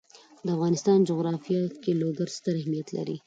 د افغانستان جغرافیه کې لوگر ستر اهمیت لري.